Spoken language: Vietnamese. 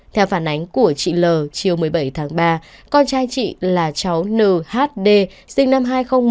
theo phản ánh của chị l chiều một mươi bảy tháng ba con trai chị là cháu nhd sinh năm hai nghìn một mươi